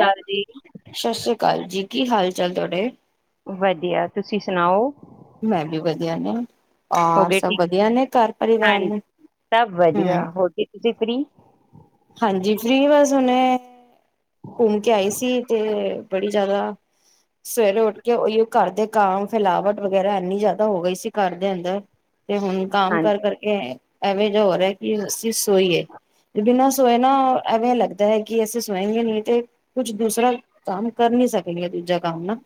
ਘਰ ਜੀ। ਸਤਿ ਸ੍ਰੀ ਅਕਾਲ ਜੀ ਕੀ ਹਾਲ-ਚਾਲ ਤੁਹਾਡੇ। ਵਧੀਆ ਤੁਸੀਂ ਸੁਣਾਓ। ਮੈਂ ਵੀ ਵਧੀਆ ਨੇ। ਹੋ ਔਰ ਗਏ ਸਭ ਠੀਕ ਵਧੀਆ ਨੇ ਘਰ ਪਰਿਵਾਰ ਹਾਂਜੀ ਸਭ ਨੂੰਹ। ਵਧੀਆ ਹੋ ਗਏ ਤੁਸੀਂ ਫ੍ਰੀ। ਹਾਂਜੀ ਫਰੀ ਬਸ ਹੁਣੇ ਘੁੰਮ ਕੇ ਆਈ ਸੀ ਤੇ ਬੜੀ ਜ਼ਿਆਦਾ, ਸਵੇਰੇ ਉੱਠ ਕੇ ਉਹੀ ਘਰ ਦੇ ਕੰਮ ਫੈਲਾਵਟ ਵਗੈਰਾ ਇੰਨੀ ਜ਼ਿਆਦਾ ਹੋ ਗਈ ਸੀ ਘਰ ਦੇ ਅੰਦਰ। ਤੇ ਹੁਣ ਕੰਮ ਹਾਂਜੀ ਕਰ ਕਰ-ਕਰ ਕੇ ਐਵੇਂ ਜਾ ਹੋ ਰਿਹਾ ਕਿ ਅਸੀਂ ਸੋਈਏ, ਬਿਨਾਂ ਸੋਏ ਨਾ ਐਵੇਂ ਲੱਗਦਾ ਹੈ ਕਿ ਅਸੀਂ ਸੋਏ ਜੇ ਨੀ। ਤੇ ਕੁਛ ਦੂਸਰਾ ਕੰਮ ਕਰ ਨੀ ਸਕਣੀ ਆ ਦੂਜਾ ਕੰਮ ਨਾ।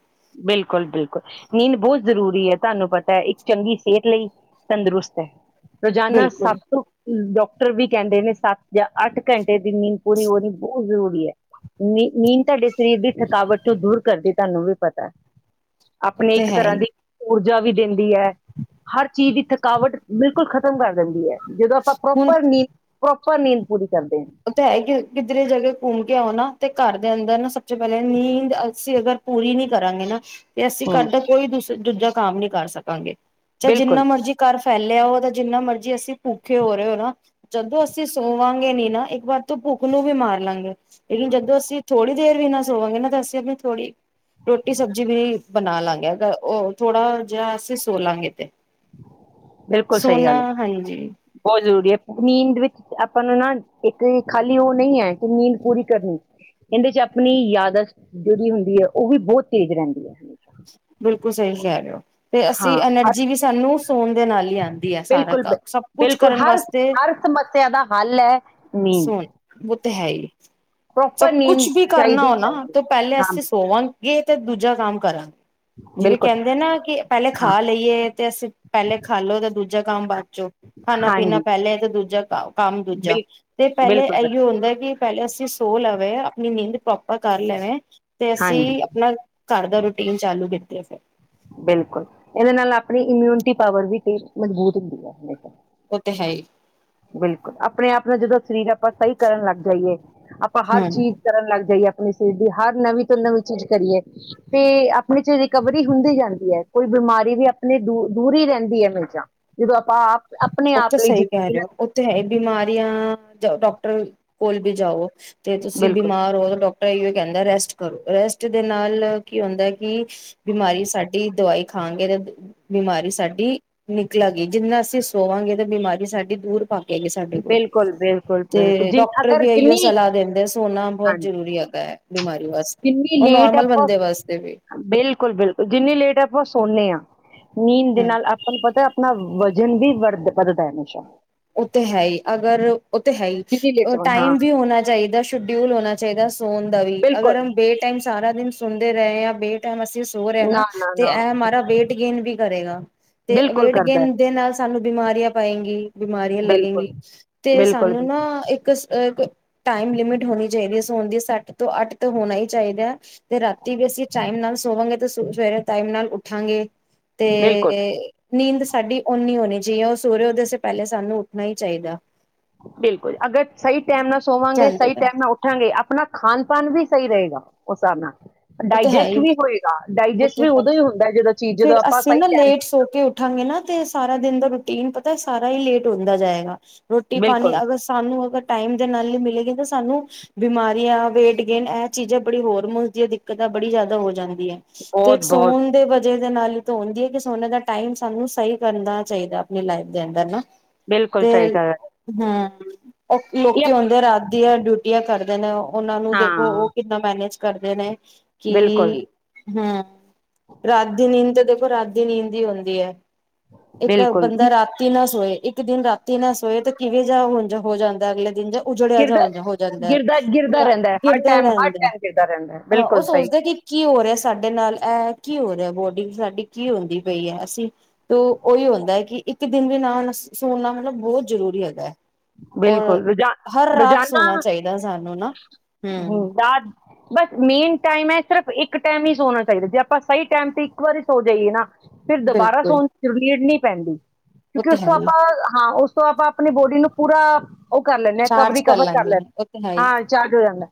ਬਿਲਕੁਲ ਬਿਲਕੁਲ ਨੀਂਦ ਬਹੁਤ ਜ਼ਰੂਰੀ ਹੈ ਤੁਹਾਨੂੰ ਪਤਾ ਇੱਕ ਚੰਗੀ ਸਿਹਤ ਲਈ ਤੰਦਰੁਸਤ ਐ। ਰੋਜ਼ਾਨਾ ਬਿਲਕੁਲ ਸੱਤ ਡਾ ਟਰ ਵੀ ਕਹਿੰਦੇ ਨੇ ਸੱਤ ਜਾਂ ਅੱਠ ਘੰਟੇ ਦੀ ਨੀਂਦ ਪੂਰੀ ਹੋਣੀ ਬਹੁਤ ਜ਼ਰੂਰੀ ਹੈ। ਨੀਂਦ ਤੁਹਾਡੇ ਸਰੀਰ ਦੀ ਥਕਾਵਟ ਚ ਦੂਰ ਕਰਦੀ ਤੁਹਾਨੂੰ ਵੀ ਪਤਾ। [unintelligible] ਉਹ ਆਪਣੇ ਤੇ ਇੱਕ ਹੈ ਤਰ੍ਹਾਂ ਹੀ ਦੀ [unintelligible] ਜਾ ਵੀ ਦਿੰਦੀ ਹੈ ਹਰ ਚੀਜ਼ ਦੀ ਥਕਾਵਟ ਬਿਲਕੁਲ ਖਤਮ ਕਰ ਦਿੰਦੀ ਹੈ। ਜਦੋਂ ਆਪਾਂ ਹੁਣ ਪਰੋਪਰ ਨੀਂਦ ਪਰੋ ਪਰ ਨੀਂਦ ਪੂਰੀ ਕਰਦੇ ਹਾਂ ਉਹ ਤਾਂ ਹੈ ਈ ਕਿ ਕਿਧਰੇ ਜਗ੍ਹਾ ਘੁੰਮ ਕੇ ਆਉਣਾ, ਤੇ ਘਰ ਦੇ ਅੰਦਰ ਨਾ ਸਭ ਸੇ ਪਹਿਲਾਂ ਨੀਂਦ ਅਸੀਂ ਅਗਰ ਪੂਰੀ ਨੀ ਕਰਾਂਗੇ ਨਾ ਤੇ ਅਸੀਂ ਹਮ ਘਰ ਦਾ ਕੋਈ ਦੂਸ ਦੂਜਾ ਕੰਮ ਨੀ ਕਰ ਸਕਾਂਗੇ। ਚ, ਬਿਲਕੁਲ ਜਿੰਨਾ ਮਰਜੀ ਕਰ ਫਿਰ ਫੈਲਿਆ ਉਹਦਾ, ਜਿੰਨਾ ਮਰਜ਼ੀ ਅਸੀਂ ਭੂਖੇ ਹੋ ਰਹੇ ਹੋ, ਨਾ। ਜਦੋਂ ਅਸੀਂ ਸੋਵਾਂ ਹਾਂਗੇ, ਨ। ਇੱਕ ਵਾਰ ਤੂੰ ਭੁੱਖ ਨੂੰ ਵੀ ਮਾਰ ਲਾਂਗੇ, ਲੇਕਿਨ ਜਦੋਂ ਅਸੀਂ ਥੋੜੀ ਦੇਰ ਵੀ ਨਾ ਸੋਵਾਂਗੇ, ਨਾ, ਤੇ ਅਸੀਂ ਆਪਣੀ ਥੋੜ੍ਹੀ ਰੋਟੀ ਸਬਜ਼ੀ ਵੀ ਬਣਾ ਲਾਂਗੇ, ਅ, ਉਹ ਥੋੜਾ ਜਿਹਾ ਅਸੀਂ ਸੋ ਲਾਂਗੇ, ਤੇ। ਬਿਲਕੁਲ ਸਹੀ ਸੋਨਾ ਗੱਲ ਹੈ, ਹਾਂਜੀ ਬਹੁਤ ਜ਼ਰੂਰੀ ਹੈ। ਨੀਂਦ ਵਿੱਚ ਆਪਾਂ ਨੂੰ, ਨਾ, ਇੱਕ ਖਾਲੀ ਉਹ ਨਹੀਂ ਹੈ ਕਿ ਨੀਂਦ ਪੂਰੀ ਕਰਨੀ, ਇਹਦੇ ਚ ਆਪਣੀ ਯਾਦਤ ਜਿਹੜੀ ਹੁੰਦੀ ਹੈ, ਉਹ ਵੀ ਬਹੁਤ ਤੇਜ਼ ਰਹਿੰਦੀ ਹੈ। ਬਿਲਕੁਲ ਸਹੀ ਕਹਿ ਰਹੇ ਹੋ, ਤੇ ਅਸੀਂ ਹਾਂ ਹਰ ਐਨਰਜੀ ਵੀ ਸਾਨੂੰ। ਸੋਣ ਦੇ ਨਾਲ ਹੀ ਆਂਦੀ। ਬਿਲਕੁਲ, ਬਿਲ ਬਿਲਕੁਲ, ਹਰ ਹਰ ਸਮੱਸਿਆ ਦਾ ਹੱਲ ਹੈ। ਨੀਂਦ ਸੁਣ, ਓਹ ਤੇ ਹੈ ਹੀ। ਸਭ ਪ੍ਰੋਪਰ ਕੁਛ ਨੀਂਦ ਵੀ ਕਰਨਾ ਚਾਹੀਦੀ ਹੋ ਨਾ ਚਾਹੀਦੀ ਤਾ ਪਹਿਲੇ ਹਾਂ ਅਸੀ ਸੋਵਾਗੇ, ਤੇ ਦੂਜਾ ਕੰਮ ਕਰਾਂਗੇ ਜਿਵੇ ਬਿਲਕੁਲ ਕਹਿੰਦੇ ਆ ਕਿ ਪਹਿਲੇ ਹਾਂ ਖਾ ਲਈਏ, ਤੇ ਅਸੀ ਪਹਿਲਾ ਖਾ ਲੋ ਤੇ ਦੂਜਾ ਕੰਮ ਬਾ ਚੋ। ਖਾਣਾ-ਪੀਣਾ ਹਾਂਜੀ ਪਹਿਲੇ, ਤੇ ਦੂਜਾ। ਤਾਂ। ਕੰਮ ਦੂਜਾ ਬਿਲ ਤੇ ਪਹਿਲੇ ਬਿਲਕੁਲ ਐ ਹੀ ਬੱਚੇ ਓ ਹੁੰਦਾ ਏ ਪਹਿਲੇ ਅਸੀਂ ਸੋ ਲਵੇ, ਆਪਣੀ ਨੀਂਦ ਪ੍ਰੋਪਰ ਕਰ ਲਵੇ। ਤੇ ਹਾਂਜੀ ਅਸੀਂ ਆਪਣਾ ਘਰ ਦਾ ਰੂਟੀਨ ਚਾਲੂ ਕਰੀਏ ਤੇ ਫੇਰ ਬਿਲਕੁਲ ਇਹਦੇ ਨਾਲ ਆਪਣੀ ਇਮਿਊਨਿਟੀ ਪਾਵਰ ਵੀ ਤੇ ਮਜ਼ਬੂਤ ਹੁੰਦੀ ਹੈ, ਹਮੇਸ਼ਾ। ਉਹ ਤੇ ਹੈ ਹੀ ਬਿਲਕੁਲ, ਆਪਣੇ ਆਪ ਨਾਲ ਜਦੋਂ ਸਰੀਰ ਆਪਾਂ ਸਹੀ ਕਰਨ ਲੱਗ ਜਾਈਏ, ਆਪਾਂ ਹਰ ਹਮ। ਚੀਜ਼ ਕਰਨ ਲੱਗ ਜਾਈਏ। ਆਪਣੀ ਸਿਹਤ ਦੀ ਹਰ ਨਵੀਂ ਤੋਂ ਨਵੀਂ ਚੀਜ਼ ਕਰੀਏ, ਤੇ ਆਪਣੇ 'ਚ ਰਿਕਵਰੀ ਹੁੰਦੀ ਏ। ਕੋਈ ਬਿਮਾਰੀ ਵੀ ਆਪਣੇ ਤੋਂ ਦੂਰ ਹੀ ਰਹਿੰਦੀ ਹੈ, ਮੇਜ਼ਾ ਜਦੋਂ ਆਪਾਂ ਆਪ। ਆਪਣੇ ਉੱਥੇ ਆਪ ਲਈ ਸਹੀ ਕਹਿ ਜ਼ਿੰਦਗੀ ਰਹੇ ਹੋ, ਨਾਲ ਉੱਥੇ ਹੈ ਬਿਮਾਰੀਆਂ, ਡਾਕਟਰ ਕੋਲ ਵੀ ਜਾਓ। ਤੇ ਤੁਸੀਂ ਬਿਲਕੁਲ ਬਿਮਾਰ ਹੋ ਤਾਂ ਡਾਕਟਰ ਇਓ ਕਹਿੰਦਾ, ਰੈਸਟ। ਕਰੋ ਰੈਸਟ, ਦੇ ਨਾਲ ਕੀ ਹੁੰਦਾ ਕਿ? ਬਿਮਾਰੀ, ਸਾਡੀ ਦਵਾਈ। ਖਾਂਗੇ ਤਾਂ ਬਿਮਾਰੀ ਸਾਡੀ ਨਿਕਲਾਂ ਗਈ, ਜਿੰਨਾ ਅਸੀਂ ਸੋਵਾਂਗੇ ਤੇ ਬਿਮਾਰੀ ਸਾਡੀ ਦੂਰ ਪਾ ਸਾਡੇ ਕੋਲ ਬਿਲਕੁਲ ਬਿਲਕੁਲ ਬਿਲਕੁਲ ਤੇ ਜਿ ਡਾਕਟਰ ਅਗਰ ਵੀ ਇਹੀਓ ਜਿੰਨੀ ਸਲਾਹ ਦਿੰਦੇ ਆ, ਸੋਨਾ ਬਹੁਤ ਹਾਂਜੀ ਜਰੂਰੀ ਹੈਗਾ ਹੈ ਬਿਮਾਰੀ ਵਾਸਤੇ। ਜਿੰਨੀ ਉਹ ਲੇਟ ਨੋਰਮਲ ਆਪਾਂ ਬੰਦੇ ਵਾਸਤੇ ਵੀ। ਬਹੁਤ ਸੋਨੇ ਆ ਨੀਂਦ ਦੇ ਹਮ ਨਾਲ ਆਪਾਂ ਨੂੰ ਪਤਾ ਆਪਣਾ ਵਜਨ ਵੀ ਵੱ ਵਧਦਾ ਹੈ ਹਮੇਸ਼ਾ ਉਹ ਤਾਂ ਹੈ ਹੀ ਅਗਰ ਉੱਥੇ ਹੈ ਹੀ ਜਿੰਨੀ ਲੇਟ ਸੋਵਾਂਗੇ ਹਾਂ ਟਾਈਮ ਵੀ ਹੋਣਾ ਚਾਹੀਦਾ ਸ਼ਡਿਊਲ ਹੋਣਾ ਚਾਹੀਦਾ ਸੋਨ ਵੀ ਬਿਲਕੁਲ ਅਗਰ ਹਮ ਬੇ ਟਾਈਮ ਸਾਰਾ ਦਿਨ ਸੁਣਦੇ ਰਹੇ ਆ ਬੇ ਟਾਈਮ ਸੋਰਹਾ ਨਾ ਤੇ ਇਹ ਮਾਰਾ ਵੇਟ ਗੇਨ ਵੀ ਕਰੇਗਾ ਤੇ ਬਿਲਕੁਲ ਵੇਟ ਕਰਦਾ ਹੈ ਗੇਨ ਦੇ ਨਾਲ ਸਾਨੂੰ ਬਿਮਾਰੀਆਂ ਪਏਗੀ ਬਿਮਾਰੀਆਂ ਲੱਗਣਗੀ ਬਿਲਕੁਲ ਤੇ ਬਿਲਕੁਲ ਸਾਨੂੰ ਬਿਲ- ਨਾ ਇੱਕ ਟਮ ਲਿਮਿਟ ਹੋਣੀ ਚਾਹੀਦੀ ਆ ਸੋ ਦੀ ਸਤ ਤ ਅਟ ਤ ਹੋਣਾ ਹੀ ਚਾਹੀਦਾ ਆ ਤੇ ਰਾਤੀ ਵੀ ਅਸੀਂ ਟਮ ਨਾਲ ਸੋਵਾਂਗੇ ਸਰੇ ਟਮ ਨਾਲ ਉਠਾਂਗੇ ਤੇ ਬਿਲਕੁਲ ਨੀਂਦ ਸਾਡੀ ਉਓਨੀ ਹੋਣੀ ਜਿ ਉਹ ਸੂਰਯੋਦੇ ਪਹਿਲੇ ਸਾਨੂੰ ਉੱਠਣਾ ਹੀ ਚਾਹੀਦਾ ਬਿਲਕੁਲ ਅਗਰ ਸਹੀ ਟਾਈਮ ਨਾਲ ਸੋਵਾਂਗੇ ਕਹਿੰਦੇ ਸਹੀ ਨੇ ਟਾਈਮ ਨਾਲ ਉੱਠਾਂਗੇ ਆਪਣਾ ਖਾਣ ਪਨ ਵੀ ਸਹੀ ਰਹੇਗਾ ਉਸ ਹਾਬ ਨਾਲ ਉਹ ਤੇ ਹੈ ਡਾਈਜੈਸਟ ਹੀ ਵੀ ਹੋਏਗਾ ਡਾਈਜੈਸਟ ਬਤੇ ਵੀ ਹੈ ਉਦੋਂ ਹੀ ਹੁੰਦਾ ਜਦੋਂ ਚੀਜ਼ ਜਦੋਂ ਫਿਰ ਆਪਾਂ ਅਸੀਂ ਸਹੀ ਨਾ ਟਾਈਮ ਲੇਟ ਸੋ ਕੇ ਉੱਠਾਂਗੇ ਨਾ ਤੇ ਸਾਰਾ ਦਿਨ ਦਾ ਟੀਨ ਪਤਾ ਸਾਰਾ ਹੀ ਲੇਟ ਹੁੰਦਾ ਜਾਏਗਾ ਰੋਟੀ ਪਾਣੀ ਬਿਲਕੁਲ ਅਗਰ ਸਾਨੂੰ ਅਗਰ ਟਾਈਮ ਦੇ ਨਾਲ ਹੀ ਮਿਲੇਗੀ ਤਾਂ ਸਾਨੂੰ ਬਿਮਾਰੀਆਂ ਵੇਟ ਗੇਨ ਇਹ ਚੀਜ਼ਾਂ ਬੜੀ ਹੋਰ ਮੁਸਦੀ ਤਾਂ ਬੜੀਿਆਦਾ ਹੋ ਜਾਣੀ ਤੇ ਬਹੁਤ ਬਹੁਤ ਸੋਨ ਦੇ ਵ ਦੇ ਨਾਲ ਹੀ ਹੁੰਦੀ ਹੈ ਸੋਨੇ ਦਾ ਟਾਈਮ ਸਾਨੂੰ ਸਹੀ ਕਰਨਾ ਚਾਹੀਦਾ ਆਪਣੀ ਲਾਈਫ ਦੇ ਅੰਦਰ ਨਾ ਬਿਲਕੁਲ ਸਹੀ ਤੇ ਗੱਲ ਹੈ ਹਮ [inaudible] ਲੋਕੀ ਯਪ ਹੁੰਦੇ ਆ ਰਾਤ ਦੀਆਂ ਡਿਊਟੀਆਂ ਕਰਦੇ ਨੇ ਉਹ ਉਹਨਾਂ ਨੂੰ ਹਾਂ ਦੇਖੋ ਉਹ ਕਿੱਦਾਂ ਮੈਨੇਜ ਕਰਦੇ ਨੇ ਕਿ ਬਿਲਕੁਲ ਹਮ ਰਾਤ ਦੀ ਨੀਤ ਦੇ ਬਰਾਦੀ ਨੀਂਦੀ ਹੁੰਦੀ ਹੈ ਇੱਕ ਬਿਲਕੁਲ ਬੰਦਾ ਰਾਤੀ ਨਾ ਸੋਏ ਇੱਕ ਦਿਨ ਰਾਤੀ ਨਾ ਸੋਏ ਤਾਂ ਕਿਵੇਂ ਜਾਿਹਾ ਹੋ ਜਾਂਦਾ ਅਗਲੇ ਦਿਨ ਜਾਂ ਉਜੜਿਆ ਜਾ ਗਿਰਦਾ ਹੋ ਜਾਂਦਾ ਹੈ ਗਿਰਦਾ ਗਿਰਦਾ ਰਹਿੰਦਾ ਹੈ ਹਰ ਗਿਰਦਾ ਟਾਈਮ ਹਰ ਰਹਿੰਦਾ ਟਮ ਗਿਰਦਾ ਰਹਿੰਦਾ ਹਾਂ ਬਿਲਕੁਲ ਉਹ ਸਹੀ ਸੋਚਦਾ ਗੱਲ। ਕਿ ਕੀ ਹੋ ਰਿਹਾ ਸਾਡੇ ਨਾਲ ਇਹ ਕੀ ਹੋ ਰਿਹਾ ਬੋਲ ਸਾਡੀ ਕੀ ਹੁੰਦੀ ਪਈ ਹੈ ਅਸੀਂ ਤੇ ਉਹੀ ਹੁੰਦਾ ਹੈ ਕਿ ਇੱਕ ਦਿਨ ਵੀ ਨਾ ਸੁਣਨਾ ਮਤਲਬ ਬਹੁਤ ਜ਼ਰੂਰੀ ਹੈਗਾ ਹੈ ਔਰ ਬਿਲਕੁਲ ਹਰ ਰੋਾਨ ਰਾਤ ਸੋਣਾ ਰੋਜ਼ਾਨਾ ਚਾਹੀਦਾ ਸਾਨੂੰ ਨਾ। ਹੂੰ। ਹਮ ਬਸ ਮੇਨ ਟਾਈਮ ਹੈ ਸਿਰਫ ਇੱਕ ਟਾਈਮ ਹੀ ਸੋਣਾ ਚਾਹੀਦਾ ਜੇ ਆਪਾਂ ਸਹੀ ਟਾਈਮ ਤੇ ਇੱਕ ਵਾਰੀ ਸੋ ਜਾਈਏ ਨਾ ਫਿਰ ਦੁਬਾਰਾ ਬਿਲਕੁਲ ਸੋਣ ਦੀ ਨੀਡ ਨਹੀ ਪੈਂਦੀ ਉਹ ਕਿਉਂਕਿ ਤੇ ਉਸ ਹੈ ਤੋਂ ਹੀ ਆਪਾਂ ਹਾਂ ਉਸ ਤੋਂ ਆਪਾਂ ਆਪਣੀ ਬੋਡੀ ਨੂੰ ਪੂਰਾ ਉਹ ਕਰ ਲੈਂਦੇ ਹਾਂ ਚਾਰਜ ਕਵਰੀ ਕਵਰ ਕਰ ਲਾਂਗੇ ਉਹ ਤੇ ਹੈ ਲੈਂਦੇ ਹੀ ਹਾਂ ਚਾਰਜ ਹੋ ਜਾਂਦਾ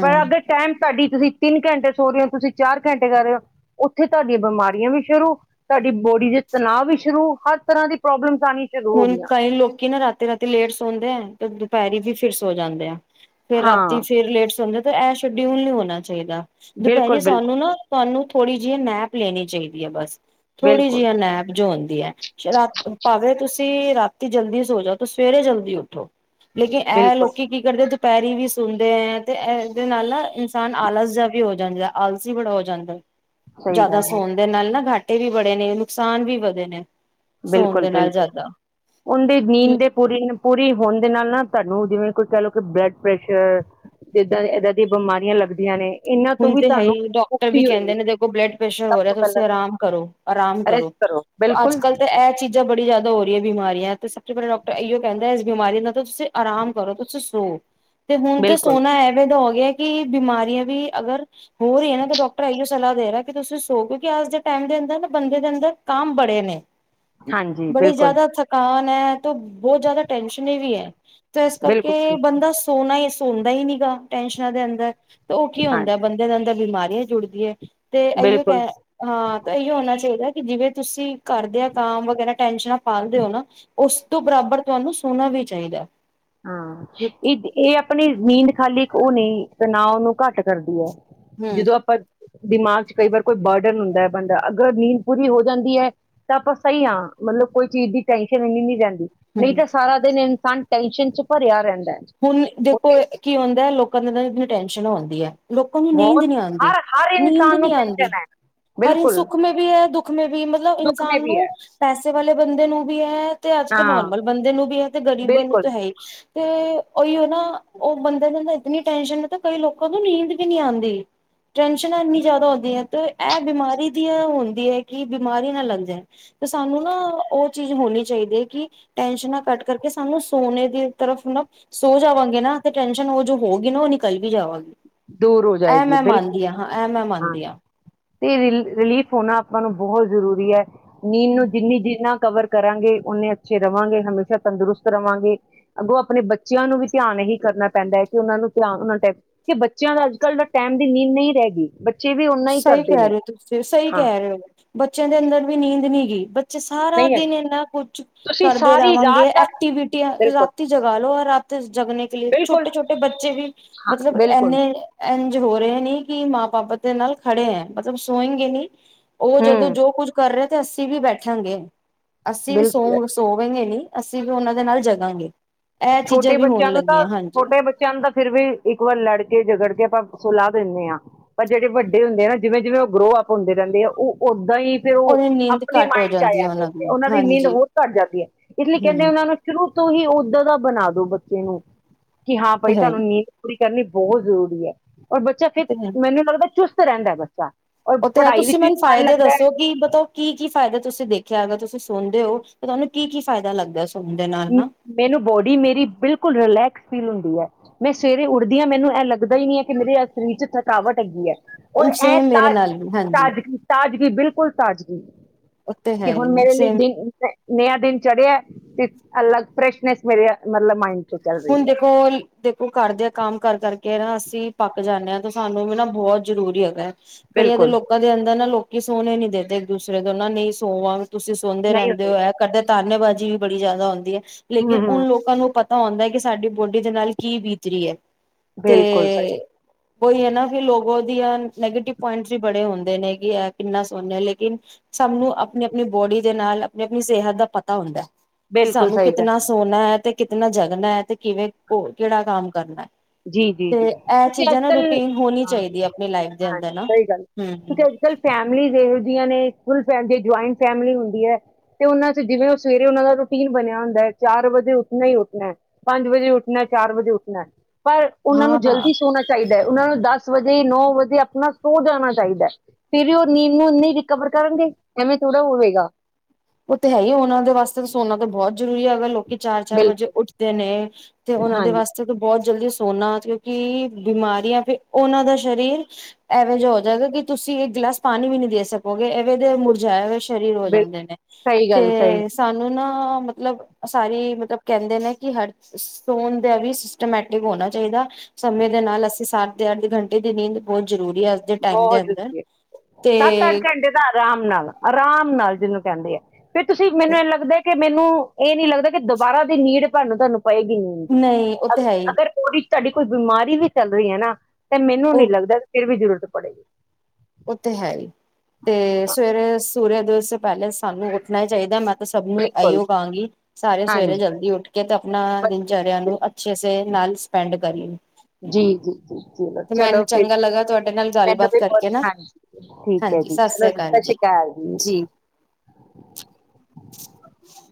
ਪਰ ਅਗਰ ਟਾਈਮ ਤੁਹਾਡੀ ਤੁਸੀਂ ਤਿੰਨ ਘੰਟੇ ਸੋ ਰਹੇ ਹੋ ਤੁਸੀਂ ਚਾਰ ਘੰਟੇ ਕਰ ਰਹੇ ਹੋ ਉੱਥੇ ਤੁਹਾਡੀਆਂ ਬਿਮਾਰੀਆਂ ਵੀ ਸ਼ੁਰੂ ਤੁਹਾਡੀ ਬੋਡੀ ਦੇ ਤਣਾਅ ਵੀ ਸ਼ੁਰੂ ਹਰ ਤਰ੍ਹਾਂ ਦੀ ਪ੍ਰੋਬਲਮ ਹੁਣ ਕਈ ਲੋਕੀ ਨਾ ਰਾਤ ਰਾ ਤੇ ਲੇਟ ਸੌਦੇ ਆ ਤੇ ਦੁਪਹਿਰੀ ਵੀ ਫਿਰ ਸੋ ਜਾਂਦੇ ਆ ਫੇਰ ਰਾਤੀ ਹਾਂ ਫੇਰ ਲੇਟ ਸੁੁੰਦੇ ਐਸ਼ੋ ਡਿਊਲ ਨਹੀਂ ਹੋਣਾ ਚਾਹੀਦਾ ਬਿਲਕੁਲ ਦੁਪਹਿਰੀ ਬਿਲਕੁਲ ਸਾਨੂੰ ਨਾ ਤੁਹਾਨੂੰ ਥੋੜ੍ਹੀ ਜਿਹੀ ਨੈਪ ਲੈਣੀ ਚਾਹੀਦੀ ਹੈ ਬਸ ਥੋੜ੍ਹੀ ਬਿਲਕੁਲ ਜਿਹੀ ਨੈਪਝਉਂਦੀ ਹੈ ਸ਼ਰਾ ਭਾਵੇਂ ਤੁਸੀਂ ਤੇ ਰਾਤੀ ਜਲਦੀ ਸੋ ਜਾਓ ਤੇ ਸਵੇਰੇ ਜਲਦੀ ਉੱਠੋ ਲੇਕਿਨ ਇਹ ਬਿਲਕੁਲ ਲੋਕੀ ਕੀ ਕਰਦੇ ਪੈਰੀ ਵੀ ਸੁਣਦੇ ਹੈ ਤੇ ਇਹਦੇ ਨਾਲ ਨਾ ਇਨਸਾਨ ਆਲਸ ਜਹਾ ਵੀ ਹੋ ਜਾਂਦਾ ਆਲਸੀ ਬੜਾ ਹੋ ਜਾਂਦਾ ਸਹੀ ਜ਼ਿਆਦਾ ਗੱਲ ਹੈ ਸੋਣ ਦੇ ਨਾਲ ਨਾ ਘੱਟ ਏ ਵੀ ਬੜੇ ਨੇ ਨੁਕਸਾਨ ਵੀ ਵਧੇ ਨੇ ਸੋਣ ਦੇ ਨਾਲ ਜ਼ਿਆਦਾ ਉਹ ਦੀ ਨੀਂਦ ਦੇ ਪੂਰੀ ਨੂੰ ਪੂਰੀ ਹੋਣ ਦੇ ਨਾਲ ਨਾ ਤੁਹਾਨੂੰ ਜਿਵੇਂ ਕੋਈ ਕਹਿ ਲਓ ਕਿ ਬਲੱਡ ਪ੍ਰੈਸ਼ਰ ਤੇ ਇੱਦਾਂ ਇਏਦਾਂ ਦੀਆਂ ਬਿਮਾਰੀਆਂ ਲੱਗਦੀਆਂ ਨੇ ਇਹਨਾਂ ਤੋਂ ਹੁਣ ਵੀ ਤੇ ਹੈ ਤੁਹਾਨੂੰ ਹੀ ਡਾਕਟਰ ਵੀ ਮੁਕਤੀ ਹੋਏਗੀ ਕਹਿੰਦੇ ਨੇ ਦੇਖੋ ਬਲੱਡ ਪ੍ਰੈਸ਼ਰ ਸਭ ਹੋ ਰਿਹਾ ਤੋਂ ਤੁਸੀਂ ਪਹਿਲਾਂ ਆਰਾਮ ਕਰੋ ਆਰਾਮ ਰੈਸਟ ਕਰੋ ਅੱਜ ਬਿਲਕੁਲ ਕੱਲ ਤਾਂ ਇਹ ਚੀਜ਼ਾਂ ਬੜੀ ਜ਼ਿਆਦਾ ਹੋ ਰਹੀਆਂ ਬਿਮਾਰੀਆਂ ਤੇ ਸਭ ਤੋਂ ਪਹਿਲਾ ਡਾਕਟਰ ਈ ਕਹਿੰਦਾ ਇਸ ਬਿਮਾਰੀ ਨਾਲ ਤਾਂ ਤੁਸੀਂ ਆਰਾਮ ਕਰੋ ਤੁਸੀਂ ਸੋ ਤੇ ਹੁਣ ਤੇ ਬਿਲਕੁਲ ਸੋਹਨਾ ਐਵੇ ਡ ਇਹ ਕਿ ਬਿਮਾਰੀਆਂ ਵੀ ਅਗਰ ਹੋ ਰਹੀ ਨਾ ਤਾਂ ਡਾਕਟਰ ਇਓ ਸਲਾਹ ਦੇ ਰਿਹਾ ਕਿ ਤੁਸੀਂ ਸੋ ਕਿਉਂਕਿ ਅਜ ਦੇ ਟਾਈਮ ਦੇ ਅੰਦਰ ਨਾ ਬੰਦੇ ਦੇ ਅੰਦਰ ਕਮ ਬੜੇ ਨੇ ਹਾਂਜੀ ਬੜੇ ਬਿਲਕੁਲ ਜਿਆਦਾ ਥਕਾਨ ਮੈ ਬਹੁਤ ਜਿਆਦਾ ਟੈਸ਼ਨ ਇਹ ਵੀ ਹੈ ਤੇ ਇਸ ਕਰਕੇ ਬਿਲਕੁਲ ਬੰਦਾ ਸੋਨਾ ਹੀ ਹੁੰਦਾ ਹੀ ਨੀ ਗਾ ਟੈਨਸ਼ਨਾਂ ਦੇ ਅੰਦਰ ਉਹ ਕੀ ਹਾਂ ਹੁੰਦਾ ਬੰਦੇ ਦਾ ਅੰਦਾ ਬਿਮਾਰੀ ਜੁੜਦੀ ਹੈ। ਤੇ ਇਹੀਓ ਬਿਲਕੁਲ ਕਹਿ ਹਾਂ ਤੇ ਇਹੀਓ ਹੋਣਾ ਚਾਹੀਦਾ। ਕਿ ਜਿਵੇਂ ਤੁਸੀਂ ਘਰਦਿਆਂ ਕੰਮ ਵਗੈਰਾ ਟੈਨਸ਼ਨਾਂ ਪਾਲਦੇ ਹੋ ਨਾ ਉਸ ਤੋਂ ਬਰਾਬਰ ਤੁਹਾਨੂੰ ਸਣਾਨਾ ਵੀ ਚਾਹੀਦੈ। ਹਾਂ ਇਹ ਇਹ ਆਪਣੇ ਨੀਂਦ ਖਾਲੀ ਇੱਕ ਉਹ ਨਹੀਂ ਤੇ ਨਾ ਉਹਨੂੰ ਘੱਟ ਕਰਦੀ ਹੈ। ਹਮ ਜਦੋਂ ਆਪਾਂ ਦਿਮਾਗ ਚ ਕਈ ਵਾਰ ਕੋਈ ਬਰਡਨ ਹੁੰਦਾ ਹੈ ਬੰਦਾ ਅਗਰ ਨੀਂਦ ਪੂਰੀ ਹੋ ਜਾਂਦੀ ਹੈ ਤਾਂ ਆਪਾਂ ਸਹੀ ਹਾਂ ਮਤਲਬ ਕੋਈ ਚੀਜ਼ ਦੀ ਟੈਂਨਸ਼ਨ ਇੰਨੀ ਨੀ ਰਹਿੰਦੀ। ਨਹੀਂ ਹਮ ਤਾਂ ਸਾਰਾ ਦਿਨ ਇੰਝ ਟੈਨਸ਼ਨ ਚ ਭਰਿਆ ਰਹਿੰਦਾ ਏ। ਹੁਣ ਦੇਖੋ ਕੀ ਹੁੰਦਾ ਲੋਕਾਂ ਦਾ ਟੈਨਸ਼ਨ ਹੁੰਦੀ ਹੈ। ਲੋਕਾਂ ਨੂੰ ਨੀਂਦ ਬਹੁਤ ਨੀ ਆਦੀ ਹਰ ਹਰ ਨੀਂਦ ਇਨਸਾਨ ਨੀ ਨੂੰ ਟੈਨਸ਼ਨ ਆਦੀ ਹੈ ਹਰ ਬਿਲਕੁਲ ਸੁੱਖਮੇ ਵੀ ਹੈ ਦੁੱਖਮੇ ਵੀ ਮਤਲਬ ਦੁੱਖ ਇਨਸਾਨ ਮੈਂ ਵੀ ਨੂੰ ਹੈ ਪੈਸੇ ਵਾਲੇ ਬੰਦੇ ਨੂੰ ਵੀ ਹੈ ਤੇ ਅੱਜ ਕੱਲ੍ਹ ਹਾਂ ਨੋਰਮਲ ਬੰਦੇ ਨੂੰ ਵੀ ਹੈ ਤੇ ਗ਼ਰੀਬਾਂ ਨੂੰ ਤਾਂ ਬਿਲਕੁਲ ਹੈ ਹੀ ਤੇ ਨਾ ਉਹ ਬੰਦੇ ਦੇ ਇਤਨੀ ਟੈਨਸ਼ਨ ਮ ਕਈ ਲੋਕਾਂ ਤੋਂ ਨੀਂਦ ਵੀ ਨਹੀਂ ਆਦੀ ਟੈਨਸ਼ਨਾਂ ਇੰਨੀ ਜ਼ਿਆਦਾ ਹੁੰਦੀ ਹੈ ਤੇ ਇਹ ਬਿਮਾਰੀ ਦੀ ਹੁੰਦੀ ਹੈ ਕਿ ਬਿਮਾਰੀ ਨਾ ਲੱਗ ਜਾ ਤੇ ਸਾਨੂੰ ਨਾ ਉਹ ਚੀਜ਼ ਹੋਣੀ ਚਾਹੀਦੀ ਹੈ ਕਿ ਟੈਨਸ਼ਨਾਂ ਘੱਟ ਕਰਕੇ ਸਾਨੂੰ ਸੋਨੇ ਦੀ ਤਰਫ ਨਾ ਸੋ ਜਾਵਾਂਗੇ ਨਾ ਤੇ ਟੈਨਸ਼ਨ ਉਹ ਜੋ ਹੋਗੀ ਨਾ ਉਹ ਨਿਕਲ ਵੀ ਜਾਵਾਂਗੀ। ਦੂਰ ਹੋ ਇਹ ਜਾਏਗੀ ਮੈਂ ਬਿਲਕੁਲ ਮੰਨਦੀ ਹਾਂ ਹਾਂ ਇਹ ਮੈਂ ਹਾਂ ਮੰਨਦੀ ਤੇ ਰਲੀਫ ਹੋਣਾ ਆਪਾਂ ਨੂੰ ਬਹੁਤ ਜ਼ਰੂਰੀ ਹੈ। ਨੀਂਦ ਨੂੰ ਦਿੰਨੀ ਦਿਨਾਂ ਕਵਰ ਕਰਾਂਗੇ ਨੇ ਅੱਛੇ ਰਹਾਂਗੇ ਹਮੇਸ਼ਾ ਤੰਦਰੁਸਤ ਰਹਾਂਗੇ ਅੱਗੋਂ ਆਪਣੇ ਬੱਚਿਆਂ ਨੂੰ ਵੀ ਧਿਆਨ ਇਹੀ ਕਰਨਾ ਪੈਂਦਾ ਹੈ ਕਿ ਉਹਨਾਂ ਨੂੰ ਧਿਆਨ ਉਹਨਾਂ ਕਿ ਬੱਚੇ ਬੱਚਿਆਂ ਦਾ ਅੱਜ ਕੱਲ੍ਹ ਤਾਂ ਟਾਈਮ ਦੀ ਨੀਂਦ ਨਹੀਂ ਰਹਿ ਗਈ। ਬੱਚੇ ਵੀ ਓਨਾ ਹੀ ਸਹੀ ਕਰਦੇ ਕਹਿ ਨੇ ਰਹੇ ਹੋ ਤੁਸੀਂ ਸਹੀ ਹਾਂ ਕਹਿ ਰਹੇ ਹੋ ਬੱਚਿਆਂ ਦੇ ਅੰਦਰ ਵੀ ਨੀਂਦ ਨਹੀਂ ਗੀ। ਚ ਸਾਰਾ ਨਹੀਂ ਹੈ ਦਿਨ ਇੰਨਾ ਕੁਛ ਤੁਸੀਂ ਕਰਦੇ ਸਾਰੀ ਰਵਾਂਗੇ ਰਾਤ ਤੱਕ ਐਕਟੀਵਿਟੀ ਬਿਲਕੁਲ ਰਾਤੀ ਜਗ੍ਹਾ ਲੋ ਉਹ ਰਾਤ ਜਗਣੇ ਕੇ ਲਿਏ ਬਿਲਕੁਲ ਛੋਟੇ ਛੋਟੇ ਬੱਚੇ ਵੀ ਹਾਂ ਮਤਲਬ ਬਿਲਕੁਲ ਐਨੇ ਹੋ ਰਹੇ ਨੇ ਕਿ ਮਾਂ ਬਾਪ ਦੇ ਨਾਲ ਖੜੇ ਹੈ ਮਤਲਬ ਸੋਏਗੇ ਨੀ ਉਹ ਜਦੋਂ ਹੂੰ ਜੋ ਕੁੱਝ ਕਰ ਰਹੇ ਤੇ ਅਸੀਂ ਵੀ ਬੈਠਾਂਗੇ ਅਸੀ ਵੀ ਸੋ ਬਿਲਕੁਲ ਸੋਵਂਗੇ ਨੀ ਅਸੀਂ ਵੀ ਉਹਨਾਂ ਦੇ ਨਾਲ ਜਗਾਂਗੇ ਇਹ ਚੀਜ਼ਾਂ ਛੋਟੇ ਵੀ ਹੋਣ ਬੱਚਿਆਂ ਨੂੰ ਤਾਂ ਲੱਗੀਆਂ ਹਾਂਜੀ ਛੋਟੇ ਬੱਚਿਆਂ ਨੂੰ ਤਾਂ ਫਿਰ ਵੀ ਇੱਕ ਵਾਰ ਲੜਕੇ ਜਗੜ ਆਪਾਂ ਸਲਾਹ ਦਿੰਦੇ ਹਾਂ ਪਰ ਜਿਹੜੇ ਵੱਡੇ ਹੁੰਦੇ ਨਾ ਜਿਵੇਂ ਜਿਵੇਂ ਉਹ ਗਰੋਅਪ ਹੁੰਦੇ ਰਹਿੰਦੇ ਆ ਉਹ ਦਹੀਂ ਪਿਓ ਉਹਦੀ ਨੀਂਦ ਆਪਣੀ ਘੱਟ ਹੋ ਮਾਇਡ ਚ ਜਾਂਦੀ ਆਇਆ ਹੈ ਪ ਤੇ ਉਹਨਾਂ ਦੀ ਨੀਂਦ ਹਾਂਜੀ ਹੋਰ ਘੱਟ ਜਾਂਦੀ ਹੈ ਇਸ ਲਈ ਕਹਿੰਦੇ ਹਮ ਉਹਨਾਂ ਨੂੰ ਸ਼ੁਰੂ ਤੋਂ ਹੀ ਉੱਦਰ ਦਾ ਬਣਾ ਦੋ ਬੱਚੇ ਨੂੰ ਕਿ ਹਾਂ ਤੇ ਭਾਈ ਹੈ ਤੁਹਾਨੂੰ ਹੀ ਨੀਂ ਪੂਰੀ ਕਰਨੀ ਬਹੁਤ ਜ਼ਰੂਰੀ ਹੈ ਔਰ ਬੱਚਾ ਫਿਰ ਤੇ ਹੈ ਮੈਨੂੰ ਲੱਗਦਾ ਚੁਸ ਰਹਿੰਦਾ ਬੱਚਾ ਔਰ ਉਹ ਤੇ ਹੈ ਪੜ੍ਹਾਈ ਤੁਸੀਂ ਵਿੱਚ ਵੀ ਮੈਨੂੰ ਮਨ ਫਾਇਦੇ ਲੱਗਦਾ ਹੈ ਦੱਸੋ ਕਿ ਬਤ ਕੀ ਕੀ ਫਾਇਦੇ ਤੁਸੀਂ ਦੇਖਿਆ ਹੈਗਾ ਤੁਸੀਂ ਸੁਣਦੇ ਹੋ ਤੇ ਤੁਹਾਨੂੰ ਕੀ ਕੀ ਫਾਇਦਾ ਲੱਗਦਾ ਸੁਣਨ ਦੇ ਨਾਲ ਨਾ ਮੈਨੂੰ ਬੋਡੀ ਮੇਰੀ ਬਿਲਕੁਲ ਰਿਲੈਕਸ ਫੀਲ ਹੁੰਦੀ ਮੈਂ ਸਵੇਰੇ ਉੱਠਦੀ ਹਾਂ ਮੈਨੂੰ ਇਹ ਲੱਗਦਾ ਹੀ ਨੀ ਹੈ ਕਿ ਮੇਰੇ ਸਰੀਰ ਚ ਥਕਾਵਟ ਹੈੱਗੀ ਹੈ ਐ ਸੇਮ ਮੇਰੇ ਤਾਜ ਨਾਲ ਵੀ ਹਾਂਜੀ ਤਾਜ ਤਾਜ ਜੀ ਬਿਲਕੁਲ ਤਾਜ਼ਗੀ ਉਹ ਤੇ ਕਿ ਹੈ ਹੁਣ ਹੀ ਮੇਰੇ ਲਈ ਸੇਮ ਦਿਨ ਨਹਾ ਦਿਨ ਚੜਿਆ [inaudible] ਅਲੱਗ ਫਰੈਸ਼ਨੈਸ ਮੇਰੇ ਮਤਲਬ ਮਿੰਦ ਹੁਣ ਦੇਖੋ ਦੇਖੋ ਘਰਦੇ ਆ ਕੰਮ ਕਰ ਕਰਕੇ ਨਾ ਅਸੀਂ ਪੱਕ ਜਾਂਦੇ ਹਾਂ ਤੇ ਸਾਨੂੰ ਵੀ ਨਾ ਬਹੁਤ ਜ਼ਰੂਰੀ ਹੈਗਾ ਕਈਆਂ ਦੇ ਬਿਲਕੁਲ ਲੋਕਾਂ ਦੇ ਅੰਦਰ ਨਾ ਲੋ ਕਿ ਸੋਣੇ ਨੀ ਦੇਦੇ ਦੂਸਰੇ ਦੇ ਨਾ ਨਹੀਂ ਸੋਵਾਂ ਤੁਸੀਂ ਸੁੰਦੇ ਨਹੀਂ ਰਹਿੰਦੇ ਹੁੰਦੀ ਹੋ ਕਦੇ ਤਨੇਬਾਜ਼ੀ ਵੀ ਬੜੀ ਜ਼ਿਆਦਾ ਆਉਂਦੀ ਹੈ ਲੇਕਿਨ ਹੂੰ ਹੂੰ ਉਨ ਲੋਕਾਂ ਨੂੰ ਪਤਾ ਤਾਂ ਹਉਂਦਾ ਕਿ ਸਾਡੀ ਬੋਡੀ ਦੇ ਨਾਲ ਕੀ ਬੀਤ ਰ ਹੈ ਬਿਲਕੁਲ ਸਹੀ ਤੇ ਉਹੀ ਹੈ ਨਾ ਫੇਰ ਲੋਕ ਉਹਦੀਆਂ ਨੈਗੇਟਿਵ ਪੁਆਇੰਟਸ ਵੀ ਬੜੇ ਹੁੰਦੇ ਨੇ ਕਿ ਇਹ ਕਿੰਨਾ ਸੋੇ ਲੇਕਿਨ ਸਭੂੰ ਆਪਣੀ ਆਪਣੀ ਬੋਡੀ ਦੇ ਨਾਲ ਆਪਣੀ ਆਪਣੀ ਸਿਹਤ ਦਾ ਪਤਾ ਹੁੰਦਾ ਕਿ ਬਿਲਕੁਲ ਸਾਨੂੰ ਸਹੀ ਗੱਲ ਕਿਤਨਾ ਸੋਹਣਾ ਹੈ ਤੇ ਕਿਤਨਾ ਜਗਨਾ ਹੈ ਤੇ ਕਿਵੇਂ ਕੋ ਕਿਹੜਾ ਕੰਮ ਕਰਨਾ ਜੀ ਜੀ ਜੀ, ਤੇ ਇਹ ਕਿਉਂਕਿ ਅੱਜ ਚੀਜ਼ਾਂ ਨਾ ਕੱਲ ਰੂਟੀਨ ਹੋਣੀ ਹਾਂ ਚਾਹੀਦੀ ਹੈ ਆਪਣੀ ਲਾਈਫ ਦੇ ਹਾਂ ਅੰਦਰ ਨਾ। ਸਹੀ ਗੱਲ ਕਿਉਂਕਿ ਹੂੰ। ਅੱਜ ਕੱਲ ਫੈਮਲੀ ਵ [unintelligible] ਫੁਲ ਫੈਮਲੀ ਜੇ ਜੁਆਇੰਟ ਫੈਮਿਲੀ ਹੁੰਦੀ ਐ ਤੇ ਉਹਨਾਂ ਚ ਜਿਵੇਂ ਉਹ ਸਵੇਰੇ ਉਹਨਾਂ ਦਾ ਰੂਟੀਨ ਬਣਿਆ ਹੁੰਦਾ ਹੈ ਚਾਰ ਵਜੇ ਉੱਠਣਾ ਹੀ ਉੱਠਣਾ ਪੰਜ ਵਜੇ ਉੱਠਣਾ ਚਾਰ ਵਜੇ ਉੱਠਣਾ। ਪਰ ਉਹਨਾਂ ਨੂੰ ਹਾਂ ਜਲਦੀ ਸੋਣਾ ਚਾਹੀਦਾ ਹੈ, ਉਹਨਾਂ ਨੂੰ ਦੱਸ ਵਜੇ ਨੌ ਵਜੇ ਆਪਣਾ ਸੋ ਜਾਣਾ ਚਾਹੀਦਾ, ਫਿਰ ਵੀ ਉਹ ਨੀਂਦ ਨੂੰ ਨਹੀਂ ਰਿਕਵਰ ਕਰਨਗੇ, ਐਵੇਂ ਥੋੜ੍ਹਾ ਹੋਵੇਗਾ ਉਹ ਤੇ ਹੈ ਹੀ ਉਹਨਾ ਦੇ ਵਾਸਤੇ ਸੋਨਾ ਤੇ ਬਹੁਤ ਜ਼ਰੂਰੀ ਹੈ ਅਗਰ ਲੋਕ ਕਿ ਚਾਰ-ਚਾਰ ਵਜੇ ਬਿਲਕੁਲ ਉੱਠਦੇ ਨੇ, ਤੇ ਉਹਨਾਂ ਦੇ ਹਾਂਜੀ ਵਾਸਤੇ ਤਾਂ ਬਹੁਤ ਜਲਦੀ ਸੇ ਸੌਣਾ ਕਿਉਂਕਿ ਬਿਮਾਰੀਆਂ ਫਿਰ ਉਹਨਾਂ ਦਾ ਸਰੀਰ ਐਵੇਂ ਜਿਹਾ ਹੋ ਜਾਏਗਾ ਕਿ ਤੁਸੀਂ ਇੱਕ ਗਿਲਾਸ ਪਾਣੀ ਵੀ ਨੀ ਦੇ ਸਕੋਗੇ, ਐਵੇਂ ਦੇ ਮੁਰਝਾਯਾ ਹੋ ਸ਼ਰੀਰ ਹੋ ਬਿਲ ਜਾਂਦੇ ਨੇ ਸਹੀ ਗੱਲ ਸਹੀ ਤੇ, ਸਾਨੂੰ ਨਾ ਮਤਲਬ, ਸਾਰੀ ਮਤਲਬ ਕਹਿੰਦੇ ਨੇ ਕਿ ਹਰ ਸੋਣ ਦਾ ਵੀ ਮੈਟਿਕ ਹੋਣਾ ਚਾਹੀਦਾ ਸਮੇਂ ਦੇ ਨਾਲ ਅਸੀਂ ਸਾ ਅੱਧੇ ਘੰਟੇ ਦੀ ਨੀਂਦ ਜ ਬਹੁਤ ਜ, ਸੱਤ ਅੱਠ ਤੇ ਘੰਟੇ ਦਾ ਆਰਾਮ ਨਾਲ, ਆਰਾਮ ਨਾਲ ਜਿਹਨੂੰ ਕਹਿੰਦੇ ਆ ਫਿਰ ਤੁਸੀਂ ਮੈਨੂੰ ਇਹ ਲੱਗਦੇ ਕਿ ਮੈਨੂੰ ਇਹ ਨੀ ਲੱਗਦਾ ਕਿ ਦੁਬਾਰਾ ਦੀ ਨੀਂਦ ਤੁਹਾਨੂੰ ਤੁਹਾਨੂੰ ਪਏਗੀ, ਨਹੀਂ ਉਹ ਤੇ ਹੈ ਹੀ ਅਗ-ਅਗਰ ਉਹਦੀ ਤੁਹਾਡੀ ਕੋਈ ਬਿਮਾਰੀ ਵੀ ਚੱਲ ਰਹੀ ਐ ਨਾ। ਤੇ ਮੈਨੂੰ ਨੀ ਉਹ ਲੱਗਦਾ, ਫਿਰ ਵੀ ਜ਼ਰੂਰਤ ਪੜੇਗੀ। ਉਹ ਤਾਂ ਹੈ ਹੀ। ਤੇ ਸਵੇਰੇ ਸੂਰਿਆ ਦੇਵ ਸੇ ਪਹਿਲੇ ਸਾਨੂੰ ਉੱਠਣਾ ਚਾਹੀਦਾ ਮ ਸਭ ਨੂੰ ਬਿਲਕੁਲ ਇਹੀਓ ਕਹਾਂਗੀ, ਸਾਰੇ ਸਵੇਰੇ ਹਾਂਜੀ ਜਲਦੀ ਉੱਠ ਜਾ ਤਾਂ ਆਪਣਾ ਚਰਿਆਂ ਬਸ- ਨੂੰ ਅੱਛੇ ਸੇ ਨਾਲ ਸਪੈਂਡ ਕਰੀਏ ਤੇ ਚਲੋ-ਚਲੋ ਮੈਨੂੰ ਫਿਰ ਚੰਗਾ ਲੱਗਾ ਤੁਹਾਡੇ ਨਾਲ ਮੈਨੂੰ ਗੱਲਬਾਤ ਵੀ ਕਰਕੇ ਨਾ ਹਾਂਜੀ ਠੀਕ ਹੈ ਹਾਂਜੀ ਜੀ ਸਤਿ ਚਲੋ ਸਤਿ ਸ੍ਰੀ ਜੀ ਅਕਾਲ ਜੀ।